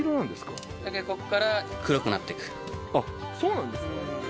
あっそうなんですか？